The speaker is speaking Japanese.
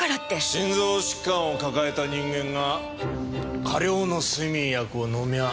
心臓疾患を抱えた人間が過量の睡眠薬を飲みゃ